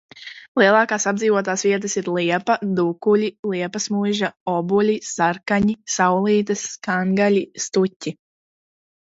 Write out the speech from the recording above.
Lielākās apdzīvotās vietas ir Liepa, Dukuļi, Liepasmuiža, Obuļi, Sarkaņi, Saulītes, Skangaļi, Stuķi.